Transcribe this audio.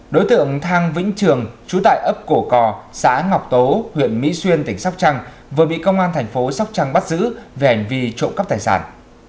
đối tượng thang vĩnh trường trú tại ấp cổ cò xã ngọc tố huyện mỹ xuyên tỉnh sóc trăng vừa bị công an thành phố sóc trăng bắt giữ về hành vi trộm cắp tài sản